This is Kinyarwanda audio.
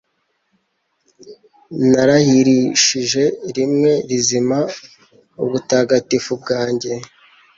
Narahirishije rimwe rizima ubutagatifu bwanjye